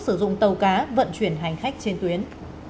sử dụng tàu cá vận chuyển hành khách trên tuyến